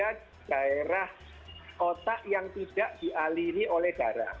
ada daerah otak yang tidak dialiri oleh darah